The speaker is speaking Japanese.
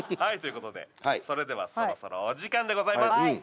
はいということでそれではそろそろお時間でございます